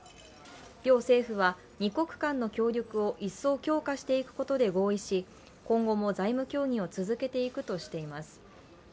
両政府は二国間の協力を一層強化していくことで合意し、今後も財務協議を続けていくとしています。